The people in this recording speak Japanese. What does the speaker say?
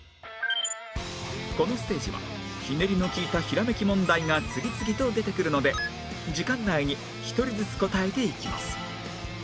このステージはひねりの利いたひらめき問題が次々と出てくるので時間内に１人ずつ答えていきます